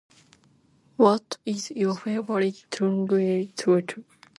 What is your favorite tongue twister?